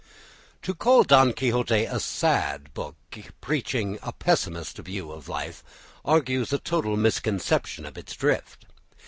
To call "Don Quixote" a sad book, preaching a pessimist view of life, argues a total misconception of its drift.